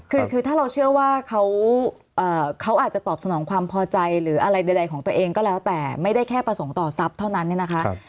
คือถ้าเราเชื่อว่าเขาอาจจะตอบสนองความพอใจหรืออะไรใดของตัวเองก็แล้วแต่ไม่ได้แค่ประสงค์ต่อทรัพย์เท่านั้นเนี่ยนะคะ